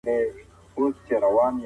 انسان د ښه پر لور هڅه کوي